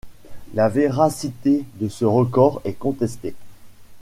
La véracité de ce record est contestée.